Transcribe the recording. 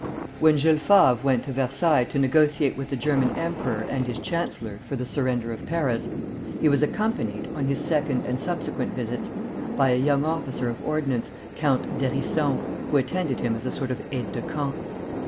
When Jules Favre went to Versailles to negotiate with the German emperor and his chancellor for the surrender of Paris, he was accompanied, on his second and subsequent visits, by a young officer of ordnance, Count d'Hérisson, who attended him as a sort of aide de camp.